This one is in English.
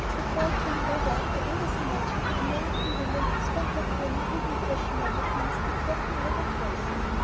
Before I came over I always imagined that American women spent their time in reading fashion magazines and talking over their clothes.